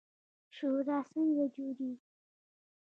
شورا څنګه جوړیږي؟